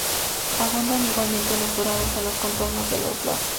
Abundan igualmente los dorados en los contornos de los lazos.